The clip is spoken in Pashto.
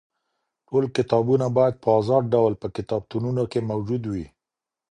ټول کتابونه بايد په ازاد ډول په کتابتونونو کي موجود وي.